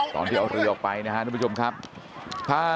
คุณยายบุญช่วยนามสกุลสุขล้ำ